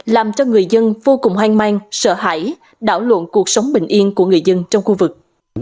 làm cho người dân vô cùng hoang mang sợ hãi đảo luận cuộc sống bình yên của người dân trong khu vực